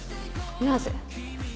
なぜ？